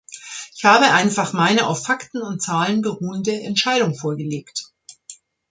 Ich habe einfach meine auf Fakten und Zahlen beruhende Entscheidung vorgelegt.